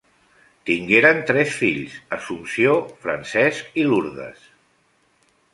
Tingueren tres fills Assumpció, Francesc i Lourdes.